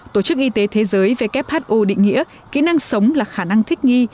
tổ chức y tế thế giới who định nghĩa kỹ năng sống là khả năng thích nghi